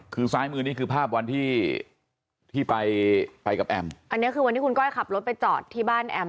คือซ้ายมือนี่คือภาพวันที่ที่ไปไปกับแอมอันนี้คือวันที่คุณก้อยขับรถไปจอดที่บ้านแอม